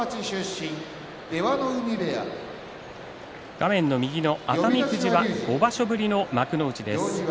画面の右の熱海富士は５場所ぶりの幕内です。